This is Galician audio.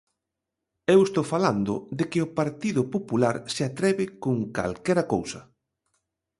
Eu estou falando de que o Partido Popular se atreve con calquera cousa.